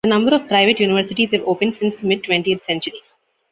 A number of private universities have opened since the mid twentieth century.